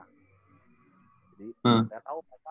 jadi saya tau pokoknya